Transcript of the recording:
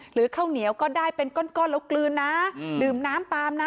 ข้าวเหนียวก็ได้เป็นก้อนแล้วกลืนนะดื่มน้ำตามนะ